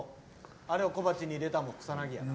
あれを小鉢に入れたらもう草薙やな。